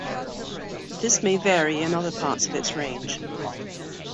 This may vary in other parts of its range.